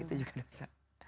itu juga dosa